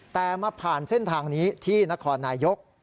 แต่มาผ่านเส้นทางนี้ที่นครนายก